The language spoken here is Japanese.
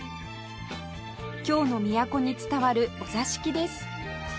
京の都に伝わるお座敷です